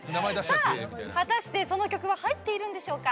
さあ果たしてその曲は入っているんでしょうか？